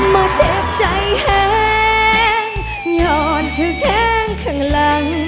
มาเจ็บใจแห้งย้อนถึงเข้งข้างหลัง